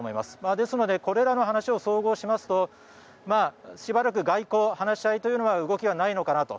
ですので、これらの話を総合しますと、しばらく外交話し合いというのは動きはないのかなと。